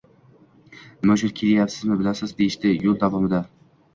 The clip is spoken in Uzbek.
«Nima uchun kelganimizni bilasiz...» deyishdi yo‘l davomida.